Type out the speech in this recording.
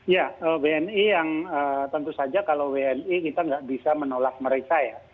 ya wni yang tentu saja kalau wni kita nggak bisa menolak mereka ya